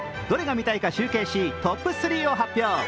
どれが見たいか集計し、トップ３を発表。